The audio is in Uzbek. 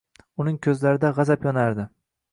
Uning ko`zlarida g`azab yonardi